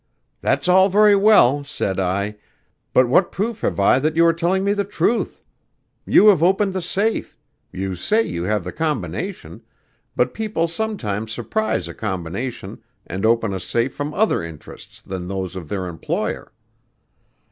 'That's all very well,' said I, 'but what proof have I that you are telling me the truth? You have opened the safe you say you have the combination but people sometimes surprise a combination and open a safe from other interests than those of their employer.